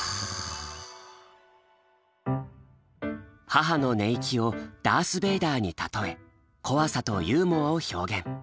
母の寝息を「ダースベイダー」に例え怖さとユーモアを表現。